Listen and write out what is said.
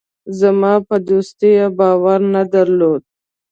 زما په دوستۍ باور نه درلود.